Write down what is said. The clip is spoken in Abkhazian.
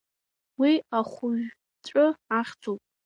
Уи ахәыжәҵәы ахьӡуп.